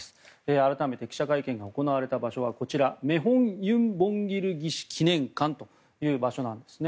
改めて記者会見が行われた場所はこちらメホン・ユン・ボンギル義士記念館という場所なんですね。